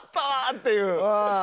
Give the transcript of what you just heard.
っていう。